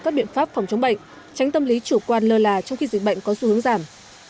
các biện pháp phòng chống bệnh tránh tâm lý chủ quan lơ là trong khi dịch bệnh có xu hướng giảm